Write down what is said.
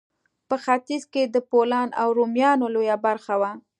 په ختیځ کې د پولنډ او رومانیا لویه برخه وه.